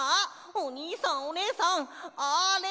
おにいさんおねえさんあれ！